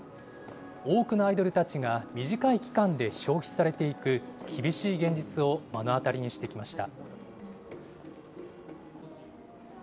多くのアイドルたちが短い期間で消費されていく厳しい現実を目の当たりにしてきました。